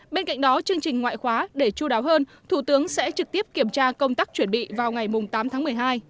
bên cạnh đó chương trình ngoại khóa để chú đáo hơn thủ tướng sẽ trực tiếp kiểm tra công tác chuẩn bị vào ngày tám tháng một mươi hai